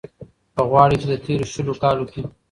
که غواړۍ ،چې د تېرو شلو کالو کې